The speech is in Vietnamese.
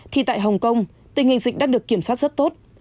thì tại hồng kông tình hình dịch đã được kiểm soát rất tốt